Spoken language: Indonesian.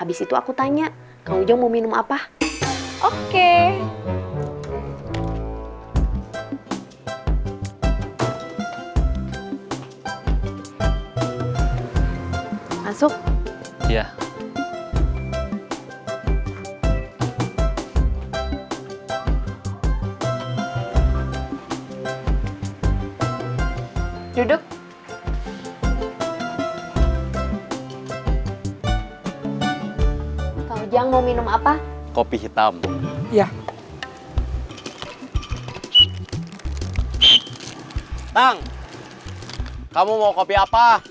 itu sih aku udah tau yang aku belum tau setelah itu aku harus gimana